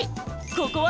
ここは？